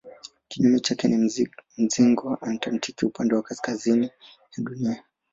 Kinyume chake ni mzingo antaktiki upande wa kaskazini ya Dunia.